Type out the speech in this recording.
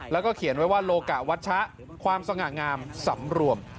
แล้วก็เขียนไว้ว่าโลกะวัชชะความสง่างามสำรวม